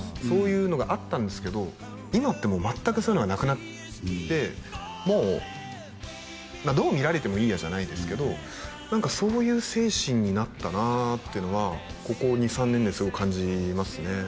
そういうのがあったんですけど今ってもう全くそういうのがなくなってもうどう見られてもいいやじゃないですけど何かそういう精神になったなってのはここ２３年ですごく感じますね